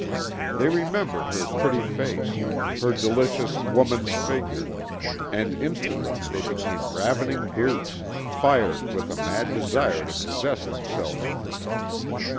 They remembered her pretty face, her delicious woman's figure, and instantly they became ravening brutes, fired with a mad desire to possess themselves of her.